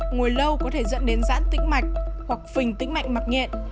ngồi lâu có thể dẫn đến dãn tĩnh mạch hoặc phình tĩnh mạch mặc nghẹn